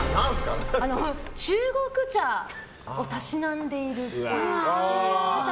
中国茶をたしなんでいるっぽい。